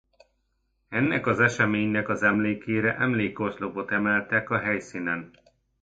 Ennek az eseménynek az emlékére emlékoszlopot emeltek a helyszínen.